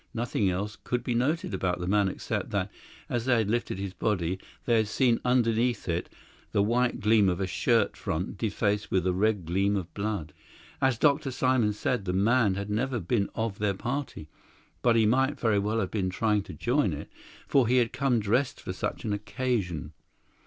Nothing else could be noted about the man except that, as they had lifted his body, they had seen underneath it the white gleam of a shirt front defaced with a red gleam of blood. As Dr. Simon said, the man had never been of their party. But he might very well have been trying to join it, for he had come dressed for such an occasion.